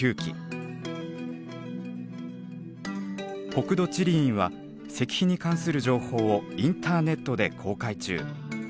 国土地理院は石碑に関する情報をインターネットで公開中。